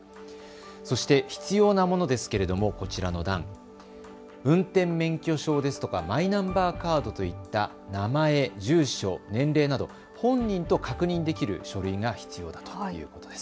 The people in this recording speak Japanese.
そして必要な物ですけれどもこちらの段、運転免許証ですとかマイナンバーカードといった名前、住所、年齢など本人と確認できる書類が必要だということです。